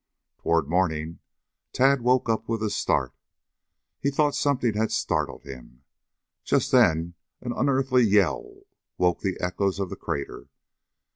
Toward morning Tad woke up with a start. He thought something had startled him. Just then an unearthly yell woke the echoes of the crater.